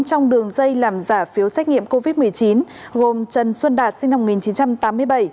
trong đường dây làm giả phiếu xét nghiệm covid một mươi chín gồm trần xuân đạt sinh năm một nghìn chín trăm tám mươi bảy